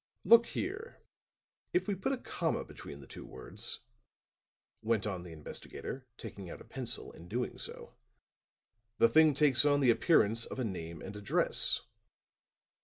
"Look here; if we put a comma between the two words," went on the investigator, taking out a pencil and doing so, "the thing takes on the appearance of a name and address."